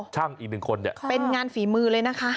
ช่างอีกหนึ่งคนเป็นงานฝีมือเลยนะคะ